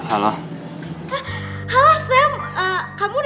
akhirnya hari ini gue nge get lagi sama samuel